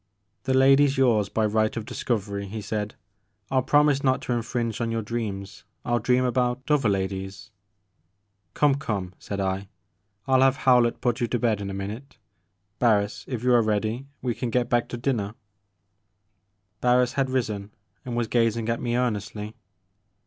"The lady's yours by right of discovery," he said, "I'll promise not to infringe on your dreams, — ^I *11 dream about other ladies "" Come, come," said I, "I '11 have Howlett put you to bed in a minute. Barris, if you are ready, — ^we can get back to dinner '' Barris had risen and was gazing at me ear nestly.